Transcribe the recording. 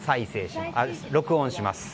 録音します。